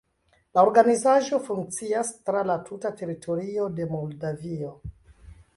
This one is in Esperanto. La organizaĵo funkcias tra la tuta teritorio de Moldavio.